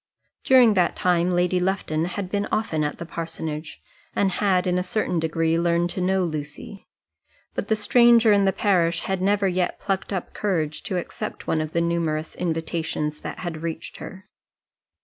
During that time Lady Lufton had been often at the parsonage, and had in a certain degree learned to know Lucy; but the stranger in the parish had never yet plucked up courage to accept one of the numerous invitations that had reached her.